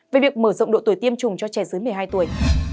về việc mở rộng độ tuổi tiêm chủng cho trẻ dưới một mươi hai tuổi